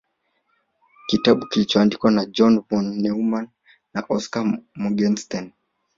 Kitabu kilichoandikwa na John von Neumann na Oskar Morgenstern